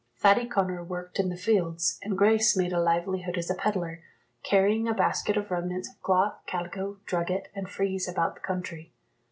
Thady Connor worked in the fields, and Grace made a livelihood as a pedlar, carrying a basket of remnants of cloth, calico, drugget, and frieze about the country.